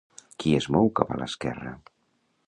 Qui es mou cap a l'esquerra?